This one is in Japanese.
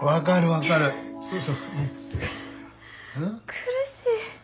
苦しい。